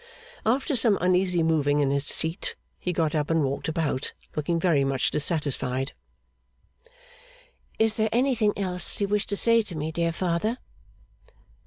After some uneasy moving in his seat, he got up and walked about, looking very much dissatisfied. 'Is there anything else you wish to say to me, dear father?